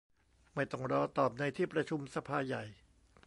ไม่ต้องรอตอบในที่ประชุมสภาใหญ่